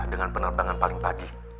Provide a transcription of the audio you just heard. dengan penerbangan paling pagi